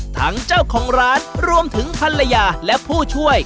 ทั้งเจ้าของร้านรวมถึงภรรยาและผู้ช่วย